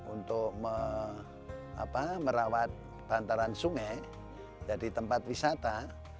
untuk merawat bantaran sungai jadi tempat wisata